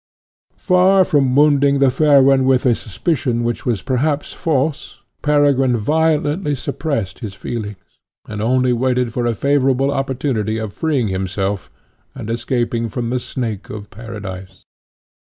Far from wounding the fair one with a suspicion which was perhaps false, Peregrine violently suppressed his feelings, and only waited for a favourable opportunity of freeing himself and escaping from the snake of Paradise.